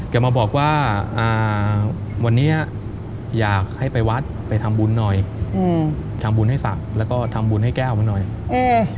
แกมาบอกว่าอ่าวันนี้อยากให้ไปวัดไปทำบุญหน่อยอืมทำบุญให้ศักดิ์แล้วก็ทำบุญให้แก้วมาหน่อยอืม